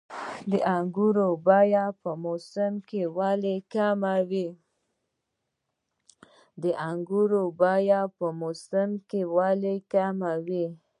د انګورو بیه په موسم کې ولې کمه وي؟